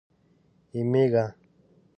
یمېږه.